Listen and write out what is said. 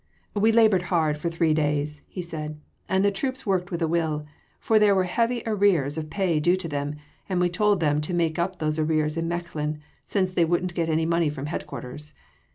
"We laboured hard for three days," he said, "and the troops worked with a will, for there were heavy arrears of pay due to them and we told them to make up those arrears in Mechlin, since they wouldn’t get any money from headquarters.